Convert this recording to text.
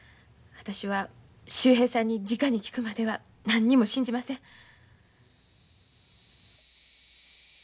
私は秀平さんにじかに聞くまでは何にも信じません。